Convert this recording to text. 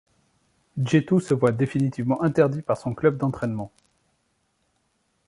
Djetou se voit définitivement interdit par son club d’entraînement.